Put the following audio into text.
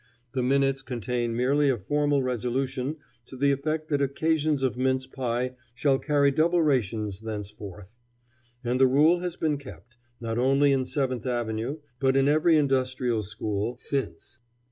The minutes contain merely a formal resolution to the effect that occasions of mince pie shall carry double rations thenceforth. And the rule has been kept not only in Seventh Avenue, but in every industrial school since.